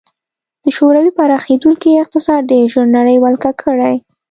د شوروي پراخېدونکی اقتصاد ډېر ژر نړۍ ولکه کړي